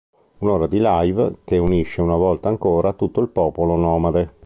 Un'ora di live che unisce una volta ancora tutto il popolo nomade.